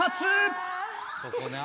ここな。